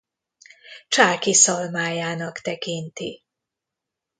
Csáky szalmájának tekinti.